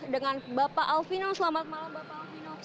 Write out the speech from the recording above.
dengan bapak alvino selamat malam bapak alvino